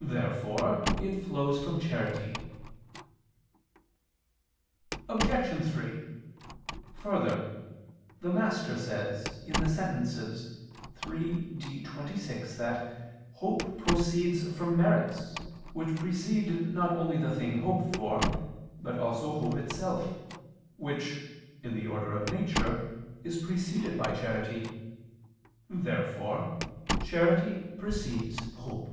Therefore it flows from charity. Obj. 3: Further, the Master says (Sent. iii, D, 26) that hope proceeds from merits, which precede not only the thing hoped for, but also hope itself, which, in the order of nature, is preceded by charity. Therefore charity precedes hope.